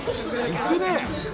いくね。